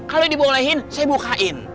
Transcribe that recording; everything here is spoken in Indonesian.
kalo dibolehcin saya bukain